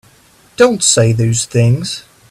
Don't say those things!